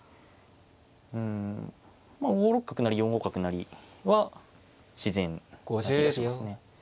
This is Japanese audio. うんまあ５六角成４五角成は自然な気がしますね。